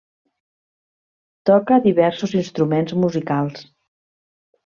Toca diversos instruments musicals.